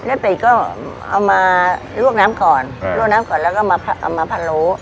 เลอดเป็ดก็เอามาลวกน้ำก่อนแล้วก็เอามาพะโล้